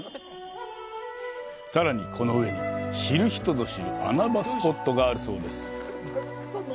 さらに、この上に知る人ぞ知る穴場スポットがあるそうです。